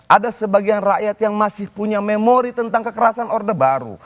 ada sebagian rakyat yang masih punya memori tentang kekerasan orde baru